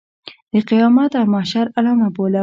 د قیامت او محشر علامه بولم.